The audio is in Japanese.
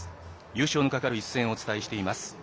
優勝のかかる一戦をお伝えしています。